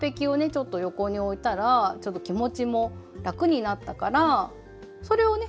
ちょっと横に置いたらちょっと気持ちも楽になったからそれをね